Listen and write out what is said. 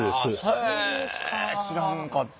へえ知らんかった。